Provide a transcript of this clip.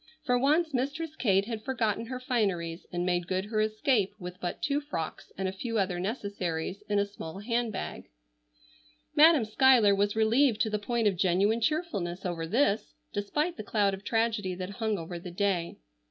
For once Mistress Kate had forgotten her fineries and made good her escape with but two frocks and a few other necessaries in a small hand bag. Madam Schuyler was relieved to the point of genuine cheerfulness, over this, despite the cloud of tragedy that hung over the day.